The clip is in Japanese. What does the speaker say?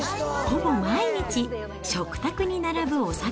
ほぼ毎日、食卓に並ぶお魚。